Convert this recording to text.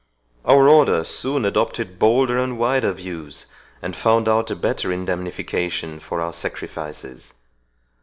Our Order soon adopted bolder and wider views, and found out a better indemnification for our sacrifices.